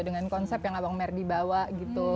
dengan konsep yang abang merdi bawa gitu